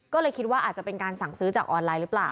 ก็เลยคิดว่าอาจจะเป็นการสั่งซื้อจากออนไลน์หรือเปล่า